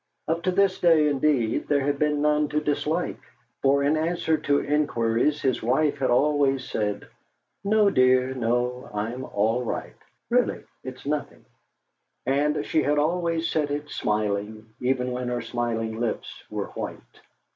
Up to this day, indeed, there had been none to dislike, for in answer to inquiries his wife had always said "No, dear, no; I'm all right really, it's nothing." And she had always said it smiling, even when her smiling lips were white.